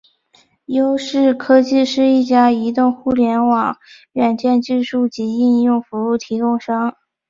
优视科技是一家移动互联网软件技术及应用服务提供商。